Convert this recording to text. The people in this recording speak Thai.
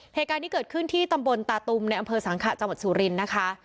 เหตุการณ์นี้เกิดขึ้นที่ตำบลตาตุมในอำเภอสังขะจังหวัดสุรินทร์นะคะ